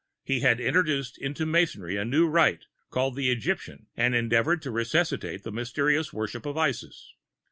He had introduced into Masonry a new Rite called the Egyptian, and endeavored to resuscitate the mysterious worship of Isis.